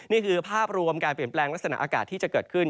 นี่คือภาพรวมการเปลี่ยนแปลงลักษณะอากาศที่จะเกิดขึ้น